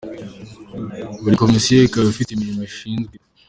Buri Komisiyo ikaba ifite imirimo ishinzwe.